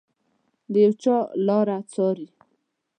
د یو چا لاره څاري